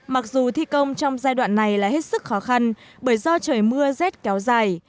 mặc dù thi công trong giai đoạn này là hết sức khó khăn bởi do trời mưa rét kéo dài